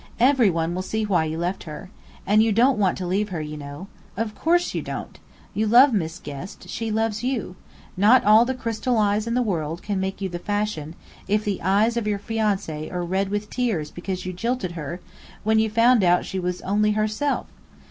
Everyone will see why you left her. And you don't want to leave her, you know! Of course you don't! You love Miss Guest. She loves you. Not all the crystal eyes in the world can make you the fashion, if the eyes of your fiancée are red with tears because you jilted her, when you found out she was only herself!